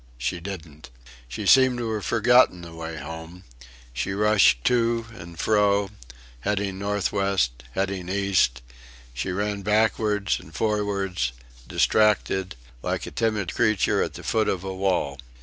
She didn't. She seemed to have forgotten the way home; she rushed to and fro, heading northwest, heading east; she ran backwards and forwards, distracted, like a timid creature at the foot of a wall.